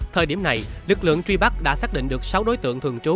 thời điểm này lực lượng truy bắt đã xác định được sáu đối tượng thường trú